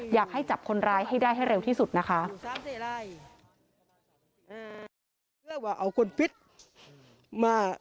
อยากให้จับคนร้ายให้ได้ให้เร็วที่สุดนะคะ